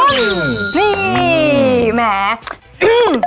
นี่แหม